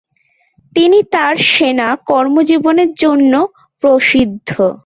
তিনি তার সেনা কর্মজীবনের জন্য প্রসিদ্ধ।